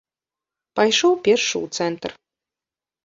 Пайшоў пешшу ў цэнтр.